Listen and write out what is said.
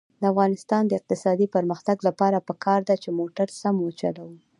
د افغانستان د اقتصادي پرمختګ لپاره پکار ده چې موټر سم وچلوو.